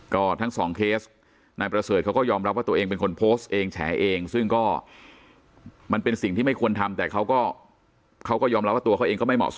ก็ทั้งสองเคสนายประเสริฐเขาก็ยอมรับว่าตัวเองเป็นคนโพสต์เองแฉเองซึ่งก็มันเป็นสิ่งที่ไม่ควรทำแต่เขาก็เขาก็ยอมรับว่าตัวเขาเองก็ไม่เหมาะสม